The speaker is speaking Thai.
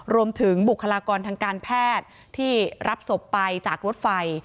รวมถึงบุคลากรทางการแพทย์ที่รับศพไปจากรถไฟ